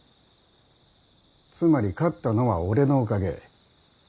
つまり勝ったのは俺のおかげ。